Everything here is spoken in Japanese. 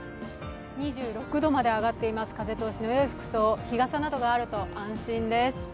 ２６度まで上がっています、風通しのよい服装、日傘などがあると安心です。